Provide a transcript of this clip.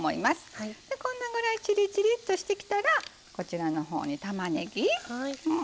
こんなぐらいチリチリとしてきたらこちらのほうにたまねぎ。